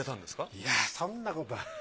いやそんなことは。